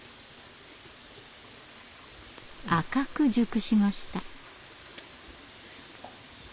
赤く熟しました。